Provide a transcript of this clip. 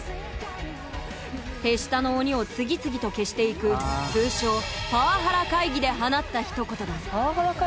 手下の鬼を次々と消していく通称「パワハラ会議」で放ったひと言だ